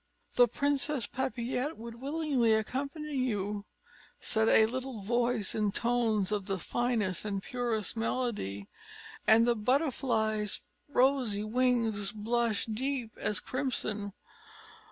"The Princess Papillette would willingly accompany you," said a little voice, in tones of the finest and purest melody: and the butterfly's rosy wings blushed deep as crimson.